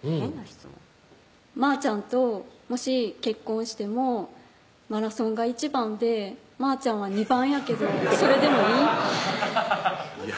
「まーちゃんともし結婚してもマラソンが１番でまーちゃんは２番やけどそれでもいい？」